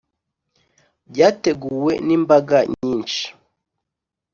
byateguwe n’imbaga nyinshi